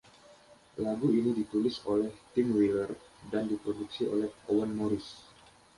Lagu ini ditulis oleh Tim Wheeler dan diproduksi oleh Owen Morris.